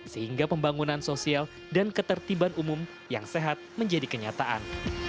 sehingga pembangunan sosial dan ketertiban umum yang sehat menjadi kenyataan